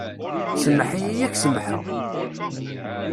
Sameḥ-iyi, ad k-samḥeɣ.